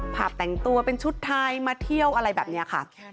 ภาพแต่งตัวเป็นชุดไทยมาเที่ยวอะไรแบบนี้ค่ะ